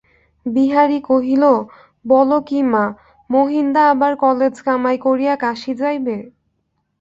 বিহারী কহিল, বল কী মা, মহিনদা আবার কালেজ কামাই করিয়া কাশী যাইবে?